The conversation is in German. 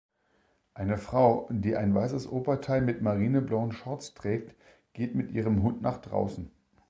Eine Frau, die ein weißes Oberteil mit marineblauen Shorts trägt, geht mit ihrem Hund nach draußen.